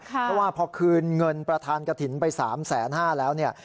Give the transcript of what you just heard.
เพราะว่าพอคืนเงินประธานกระถิ่นไป๓๕๐๐แล้วเนี่ย